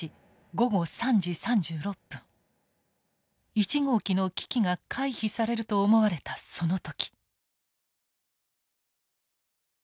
１号機の危機が回避されると思われたその時。